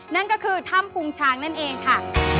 นั่นก็คือถ้ำพุงช้างนั่นเองค่ะ